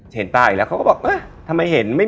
เห็นตาอีกแล้วเขาก็บอกทำไมเห็น